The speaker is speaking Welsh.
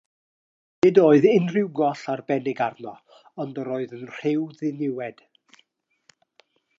Nid oedd unrhyw goll arbennig arno, ond yr oedd yn rhyw ddiniwed.